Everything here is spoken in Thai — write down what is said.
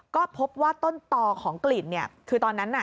ก็พบว่าต้นต่อของกลิ่นคือตอนนั้นน่ะ